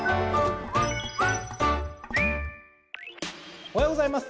おはようございます。